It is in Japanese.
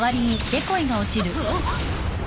あっ！？